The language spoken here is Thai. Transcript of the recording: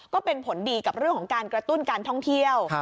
ก็เป็นผลดีกับเรื่องของการกระตุ้นการท่องเที่ยว